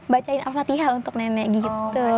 bacain al fatihah untuk nenek gitu